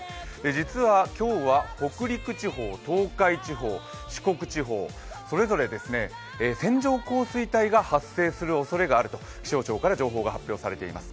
実は今日は北陸地方東海地方、四国地方、それぞれ線状降水帯が発生するおそれがあると気象庁から情報が発表されています。